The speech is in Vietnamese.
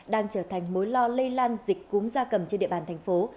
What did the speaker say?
đang trở thành mối lo lây lan dịch cúm da cầm trên địa bàn thành phố